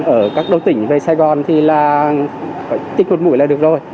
ở các đô tỉnh về sài gòn thì là tích một mũi là được rồi